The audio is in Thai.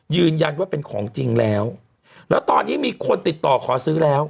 ยืนยันว่าเป็นของจริงแล้วแล้วตอนนี้มีคนติดต่อขอซื้อแล้ว